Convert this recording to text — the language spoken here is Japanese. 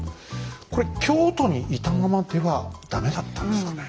これ京都にいたままでは駄目だったんですかね。